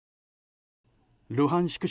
ルハンシク